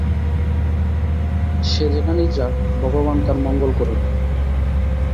সে যেখানেই যাক, ভগবান তার মঙ্গল করুন।